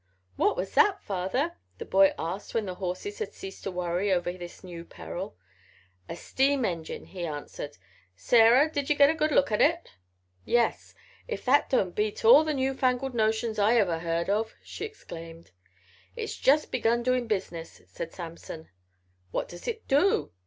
"What was that, father?" the boy asked when the horses had ceased to worry over this new peril. "A steam engyne," he answered. "Sarah, did ye get a good look at it?" "Yes; if that don't beat all the newfangled notions I ever heard of," she exclaimed. "It's just begun doin' business," said Samson. "What does it do?"